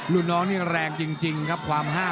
ลูกน้องนี่แรงจริงครับความห้าว